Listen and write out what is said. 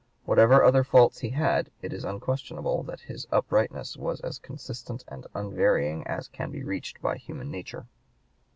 Whatever other faults he had, it is unquestionable that his uprightness was as consistent and unvarying as can be reached by human nature.